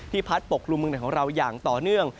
พัดปกครุมเมืองไหนของเราอย่างต่อเนื่อง